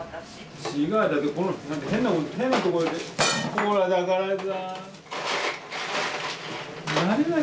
ほらだからさ。